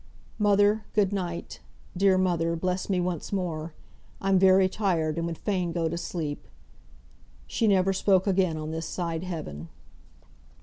"Mother, good night! Dear mother! bless me once more! I'm very tired, and would fain go to sleep." She never spoke again on this side Heaven.